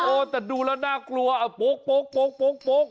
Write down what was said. โอ้แต่ดูแล้วน่ากลัวโป๊ก